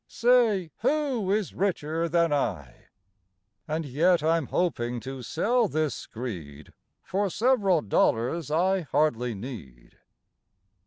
Say, who is richer than I? (And yet I'm hoping to sell this screed For several dollars I hardly need.)